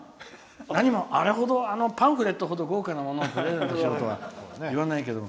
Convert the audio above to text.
何も、あのパンフレットほど豪華なものをプレゼントしようとは言わないけど。